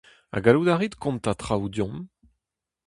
Ha gallout a rit kontañ traoù deomp ?